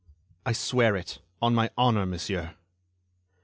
"I swear it, on my honor, monsieur."